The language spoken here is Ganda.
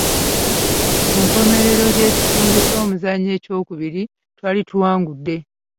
Ku nkomerero y'ekitundu ky'omuzannyo ekyokubiri, twali tuwangudde.